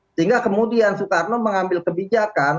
sehingga kemudian soekarno mengambil kebijakan